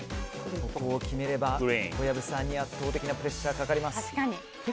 ここを決めれば、小籔さんに圧倒的なプレッシャーがかかります。